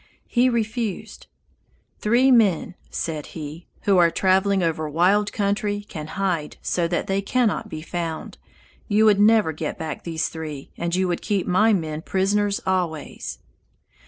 He refused. "Three men," said he, "who are traveling over wild country can hide so that they cannot be found. You would never get back these three, and you would keep my men prisoners always."